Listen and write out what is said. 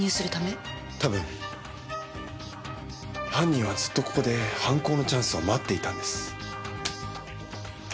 多分犯人はずっとここで犯行のチャンスを待っていたんです。